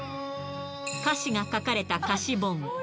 歌詞が書かれた歌詞本。